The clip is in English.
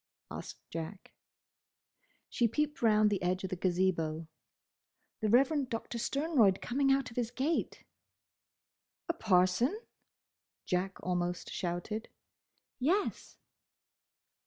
asked Jack. She peeped round the edge of the Gazebo. "The Reverend Doctor Sternroyd coming out of his gate!" "A parson?" Jack almost shouted. "Yes."